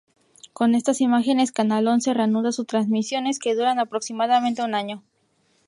Con estas imágenes, Canal Once reanuda sus transmisiones que duran aproximadamente un año.